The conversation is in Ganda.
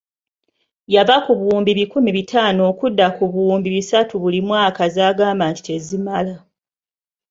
Yava ku buwumbi ebikumi bitaano okudda ku buwumbi bisatu buli mwaka z'agamba nti tezimala.